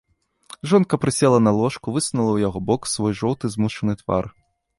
Жонка прысела на ложку, высунула ў яго бок свой жоўты змучаны твар.